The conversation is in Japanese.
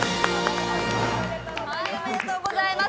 おめでとうございます。